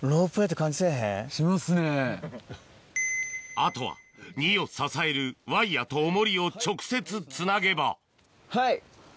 あとは荷を支えるワイヤとオモリを直接つなげばはい。